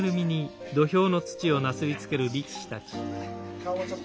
顔もちょっと。